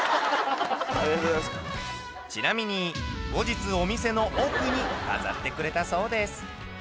ちなみに後日お店の奥に飾ってくれたそうです